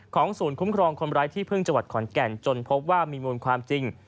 ศูนย์คุ้มครองคนร้ายที่พึ่งจังหวัดขอนแก่นจนพบว่ามีมูลความจริง